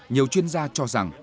nhiều chuyên gia cho rằng